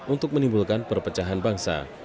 untuk menimbulkan perpecahan bangsa